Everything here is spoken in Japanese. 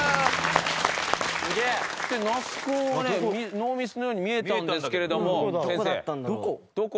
ノーミスのように見えたんですけれども先生どこ？